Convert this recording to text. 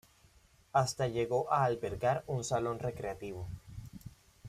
Hasta llegó a albergar un salón recreativo.